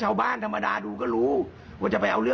จะต้องมีความผิดจะต้องมีบาปติดตัวไปตลอดชีวิตแน่นอน